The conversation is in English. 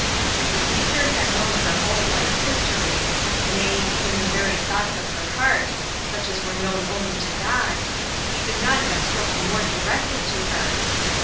If the speaker had known her whole life history, nay, even the very thoughts of her heart, such as were known only to God, he could not have spoken more directly to her.